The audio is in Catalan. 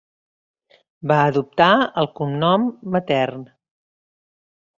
Va adoptar el cognom matern.